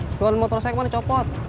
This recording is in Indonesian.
sebuah motor saya kemana copot